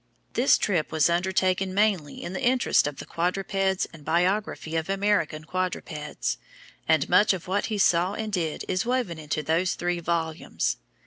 This trip was undertaken mainly in the interests of the "Quadrupeds and Biography of American Quadrupeds," and much of what he saw and did is woven into those three volumes.